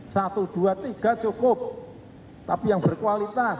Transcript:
satu dua tiga cukup tapi yang berkualitas